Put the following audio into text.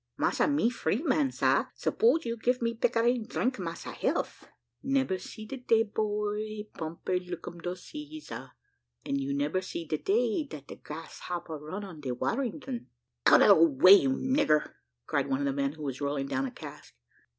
"Massa, me free man, sar. Suppose you give me pictareen, drink massa health. "Nebba see de day, boy, Pompey lickum de Caesar. "And you nebba see de day dat de Grasshopper run on de Warrington." "Out of the way, you nigger!" cried one of the men who was rolling down a cask.